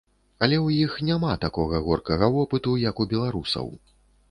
Але ў іх няма такога горкага вопыту, як у беларусаў.